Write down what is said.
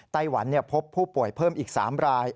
ไต้หวันพบผู้ป่วยเพิ่มอีก๓ราย